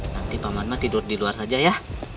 nanti pamanma tidur di luar saja ya